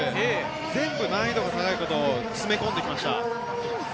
全部難易度が高い技を詰め込んできました。